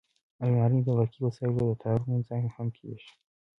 الماري د برقي وسایلو د تارونو ځای هم کېږي